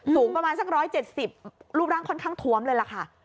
สูงประมาณสักร้อยเจ็ดสิบรูปร่างค่อนข้างทวมเลยล่ะค่ะ